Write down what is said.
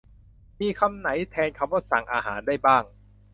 มีคำไหนแทนคำว่า 'สั่งอาหาร' ได้บ้าง